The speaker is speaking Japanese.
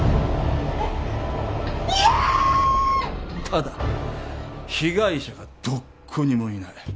ただ被害者がどこにもいない。